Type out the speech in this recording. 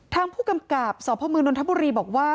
ทางผู้กำกับสพมนนทบุรีบอกว่า